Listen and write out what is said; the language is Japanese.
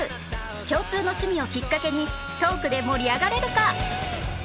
共通の趣味をきっかけにトークで盛り上がれるか？